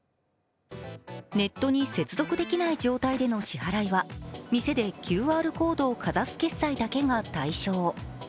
ネットに接続できない状態での支払いは店でＱＲコードをかざす決済だけが対象。